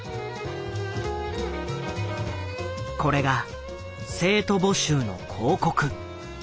これが生徒募集の広告。